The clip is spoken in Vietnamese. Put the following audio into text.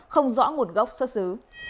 không rõ nguồn gốc xuất xứ